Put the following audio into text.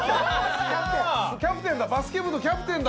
キャプテンだ。